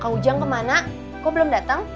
kau ujang kemana kok belum datang